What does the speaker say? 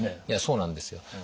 いやそうなんですよ。